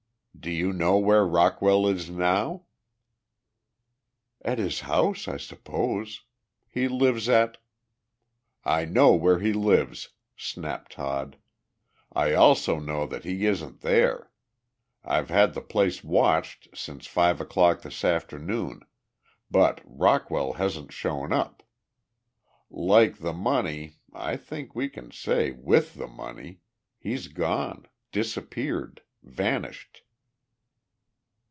"Do you know where Rockwell is now?" "At his house, I suppose. He lives at " "I know where he lives," snapped Todd. "I also know that he isn't there. I've had the place watched since five o'clock this afternoon but Rockwell hasn't shown up. Like the money I think we can say 'with the money' he's gone, disappeared, vanished."